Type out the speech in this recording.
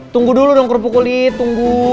tunggu dulu dong kerupuk kulit tunggu